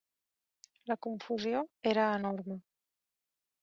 La confusió era enorme